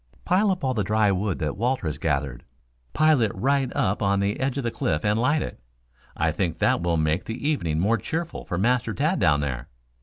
"Pile up all the dry wood that Walter has gathered. Pile it right up on the edge of the cliff and light it. I think that will make the evening more cheerful for Master Tad down there."